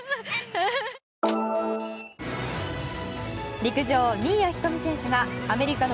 陸上の新谷仁美選手がアメリカの